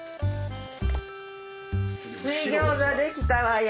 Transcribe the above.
水餃子できたわよ。